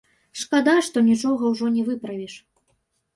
Шкада, што нічога ўжо не выправіш.